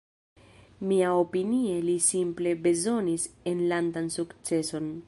Miaopinie li simple bezonis enlandan sukceson.